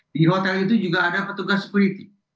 di hotel itu juga ada petugas security